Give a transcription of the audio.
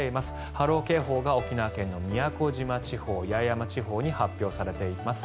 波浪警報が沖縄県の宮古島地方、八重山地方に発表されています。